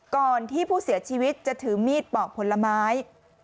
ก่อนที่ผู้เสียชีวิตจะถือมีดปอกผลไม้